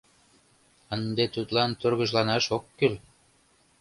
Ынде тудлан тургыжланаш ок кӱл.